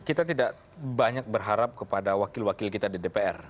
kita tidak banyak berharap kepada wakil wakil kita di dpr